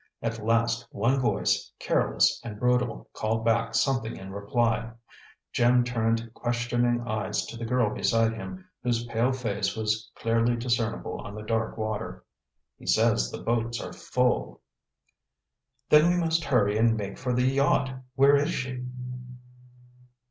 At last one voice, careless and brutal, called back something in reply. Jim turned questioning eyes to the girl beside him, whose pale face was clearly discernible on the dark water. "He says the boats are all full." "Then we must hurry and make for the yacht. Where is she?"